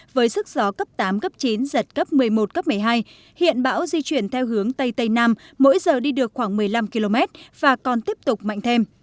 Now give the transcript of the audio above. với sức gió cấp tám cấp chín giật cấp một mươi một cấp một mươi hai hiện bão di chuyển theo hướng tây tây nam mỗi giờ đi được khoảng một mươi năm km và còn tiếp tục mạnh thêm